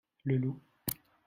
Le loup.